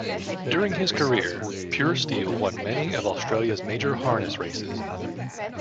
During his career, Pure Steel won many of Australia's major harness races.